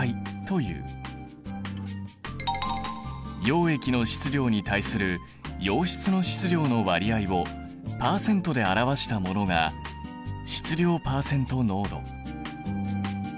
溶液の質量に対する溶質の質量の割合をパーセントで表したものが質量パーセント濃度。